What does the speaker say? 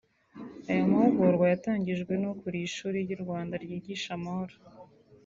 Aya mahugurwa yatangijwe n’ukuriye Ishuri ry’u Rwanda ryigisha amahoro